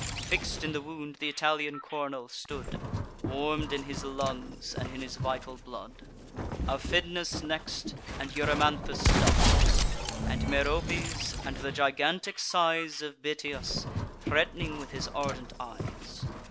Fix'd in the wound th' Italian cornel stood, Warm'd in his lungs, and in his vital blood. Aphidnus next, and Erymanthus dies, And Meropes, and the gigantic size Of Bitias, threat'ning with his ardent eyes.